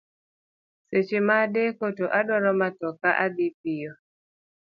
Seche ma adeko to adwaro matoka adhi piyo.